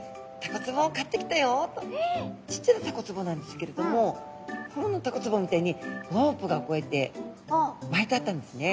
ちっちゃなタコつぼなんですけれども本物のタコつぼみたいにロープがこうやって巻いてあったんですね。